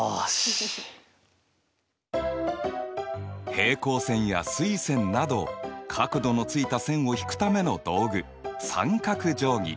平行線や垂線など角度のついた線を引くための道具三角定規。